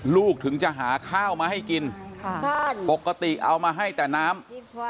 ถึงจะหาข้าวมาให้กินปกติเอามาให้แต่น้ำ